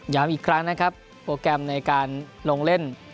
อีกครั้งนะครับโปรแกรมในการลงเล่น